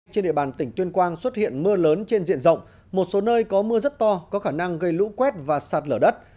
trên địa bàn tỉnh tuyên quang xuất hiện mưa lớn trên diện rộng một số nơi có mưa rất to có khả năng gây lũ quét và sạt lở đất